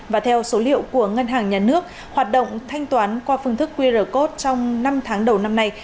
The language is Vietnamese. và theo số liệu của ngân hàng nhà nước hoạt động thanh toán qua phương thức qr code trong năm tháng đầu năm nay